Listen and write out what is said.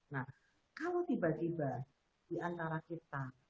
nah kalau tiba tiba diantara kita